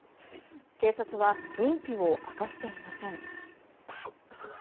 警察は認否を明かしていません。